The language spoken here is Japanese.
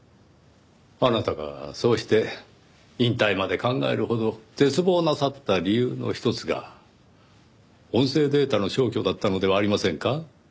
あなたがそうして引退まで考えるほど絶望なさった理由の一つが音声データの消去だったのではありませんか？